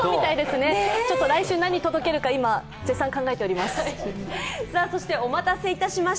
来週、何届けるか今、絶賛考えております。